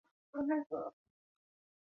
她也因贝克德尔测验而闻名于世。